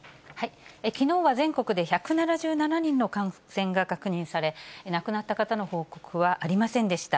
きのうは全国で１７７人の感染が確認され、亡くなった方の報告はありませんでした。